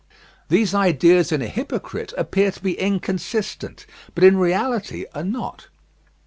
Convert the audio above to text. These ideas in a hypocrite appear to be inconsistent, but in reality are not.